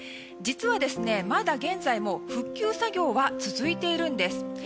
実は、まだ現在も復旧作業は続いているんです。